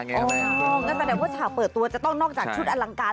นั่นแสดงว่าฉากเปิดตัวจะต้องนอกจากชุดอลังการ